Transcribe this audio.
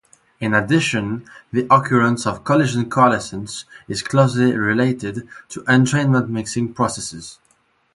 In addition, the occurrence of collision-coalescence is closely related to entrainment-mixing processes.